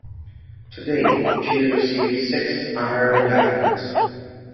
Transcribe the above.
To date she has received six honorary doctorates.